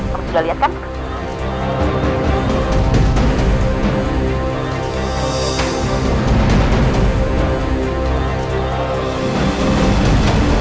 kamu sudah lihat kan